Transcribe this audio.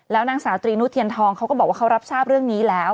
แล้วนางสาวตรีนุเทียนทองเขาก็บอกว่าเขารับทราบเรื่องนี้แล้ว